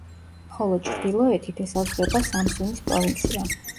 ხოლო ჩრდილოეთით ესაზღვრება სამსუნის პროვინცია.